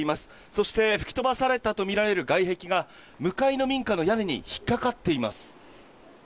そして、吹き飛ばされたと見られる外壁が、向かいの民家の屋根に引っ掛かっています。